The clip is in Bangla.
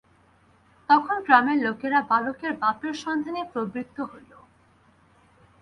তখন গ্রামের লোকেরা বালকের বাপের সন্ধানে প্রবৃত্ত হইল।